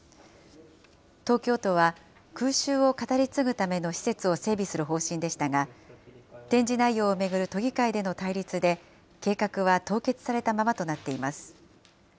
東京都は、空襲を語り継ぐための施設を整備する方針でしたが、展示内容を巡る都議会での対立で、計画は凍結されたままとなっています。